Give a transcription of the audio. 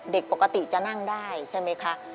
เด็กปกติจะนั่งได้ใช่ไหมคะ